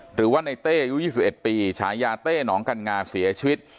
หรือว่าในเต้อายุ๒๑ปีฉายาเต้หนองกันงาเสียชีวิต